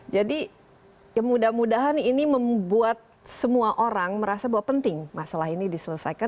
jadi mudah mudahan ini membuat semua orang merasa bahwa penting masalah ini diselesaikan